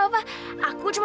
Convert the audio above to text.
kerajaan dan pengguna example